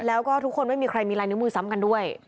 แล้วก็ทุกคนไม่มีใครมีลายนิ้วมือซ้ำกันด้วย